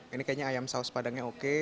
ini kayaknya ayam saus padangnya oke